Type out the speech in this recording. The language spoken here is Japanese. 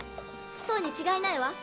そうに違いないわ。